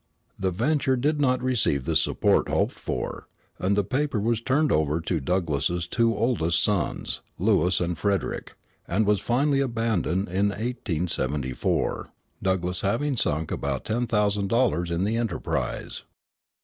The venture did not receive the support hoped for; and the paper was turned over to Douglass's two [oldest] sons, Lewis and Frederick, and was finally abandoned [in 1874], Douglass having sunk about ten thousand dollars in the enterprise.